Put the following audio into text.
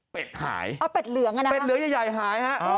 เป็ดหายเป็ดเหลืองอ่ะนะครับอ๋อเป็ดเหลืองใหญ่หายฮะ